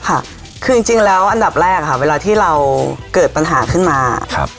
ค่ะคือจริงแล้วอันดับแรกค่ะเวลาที่เราเกิดปัญหาขึ้นมาครับ